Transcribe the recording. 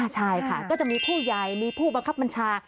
ใช่ค่ะก็จะมีผู้ใหญ่มีผู้บังคับบัญชา